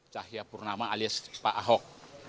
cahaya purnama alias pak ahok